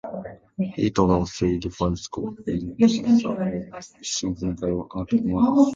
He taught at three different schools, being professor of philosophy at Moulins.